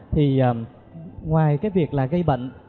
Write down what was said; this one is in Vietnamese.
thì ngoài cái việc là gây bệnh